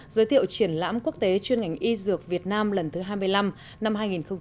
giới thiệu triển lãm quốc tế chuyên ngành y dược việt nam lần thứ hai mươi năm năm hai nghìn hai mươi